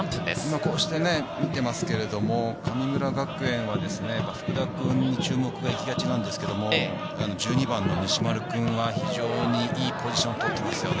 こうして見ていますが神村学園は、福田君に注目が行きがちなんですけど、１２番の西丸君は非常にいいポジションをとってますね。